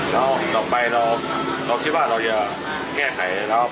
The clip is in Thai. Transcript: เราคิดว่าเราจะแก้ไขแล้ว